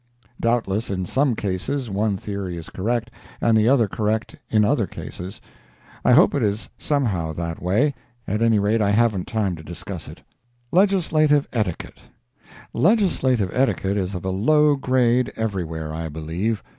Doubtless, in some cases one theory is correct, and the other correct in other cases. I hope it is somehow that way; at any rate, I haven't time to discuss it. LEGISLATIVE ETIQUETTE Legislative etiquette is of a low grade everywhere, I believe.